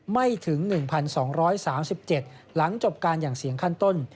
ไม่ถึง๑๒๓๗หลังจบการอย่างเสียงขั้นต้น